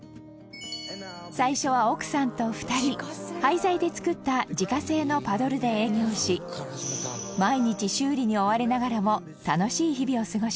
最初は、奥さんと２人廃材で作った自家製のパドルで営業し毎日、修理に追われながらも楽しい日々を過ごしました